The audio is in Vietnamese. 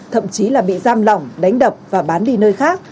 thậm chí là bị giam lỏng đánh đập và bán đi nơi khác